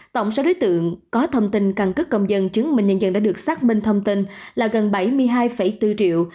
tổng số đối tượng có thông tin căn cứ công dân chứng minh nhân dân đã được xác minh thông tin là gần bảy mươi hai bốn triệu